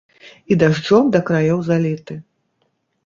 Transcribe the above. І дажджом да краёў заліты.